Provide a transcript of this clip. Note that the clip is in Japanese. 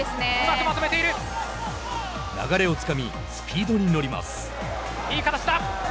流れをつかみスピードに乗ります。